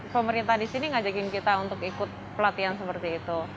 pemerintah di sini ngajakin kita untuk ikut pelatihan seperti itu